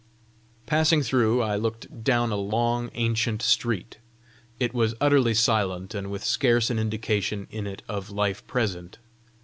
Passing through, I looked down a long ancient street. It was utterly silent, and with scarce an indication in it of life present.